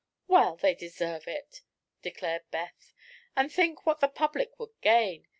"Well, they deserve it," declared Beth. "And think of what the public would gain!